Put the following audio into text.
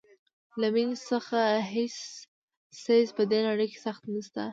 له مینې څخه هیڅ څیز په دې نړۍ کې سخت نشته.